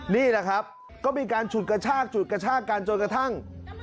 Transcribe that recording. นี่นะครับก็มีการฉุดกระชากการจนกระทั่ง